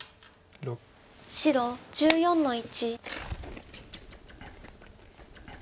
白１４の一。